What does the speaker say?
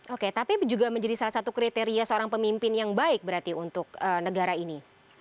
oke tapi juga menjadi salah satu kriteria seorang pemimpin yang baik berarti untuk negara ini